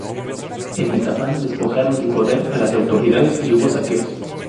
En Metapán despojaron del poder a las autoridades y hubo saqueos.